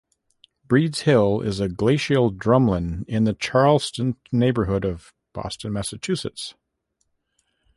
Breed's Hill is a glacial drumlin in the Charlestown neighborhood of Boston, Massachusetts.